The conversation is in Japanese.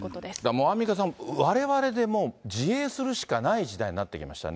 もうアンミカさん、われわれでもう自衛するしかない時代になってきましたね。